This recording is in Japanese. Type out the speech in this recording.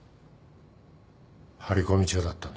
張り込み中だったんだ。